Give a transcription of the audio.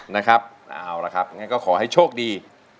นะครับเอาละครับงั้นก็ขอให้โชคดี